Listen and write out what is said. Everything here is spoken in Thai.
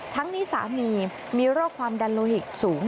ทั้งนี้สามีมีโรคความดันโลหิตสูง